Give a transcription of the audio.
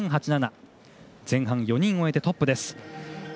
前半４人を終えてトップです。